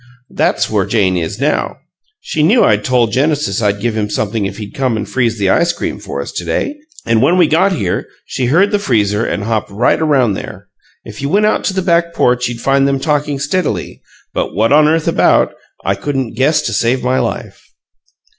That's where Jane is now. She knew I told Genesis I'd give him something if he'd come and freeze the ice cream for us to day, and when we got here she heard the freezer and hopped right around there. If you went out to the back porch you'd find them talking steadily but what on earth about I couldn't guess to save my life!"